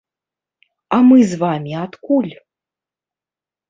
А мы з вамі адкуль?